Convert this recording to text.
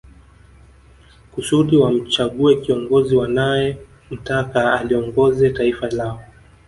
Kusudi wamchague kiongozi wanae mtaka aliongoze taifa lao